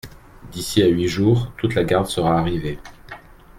D'ici à huit jours, toute la garde sera arrivée.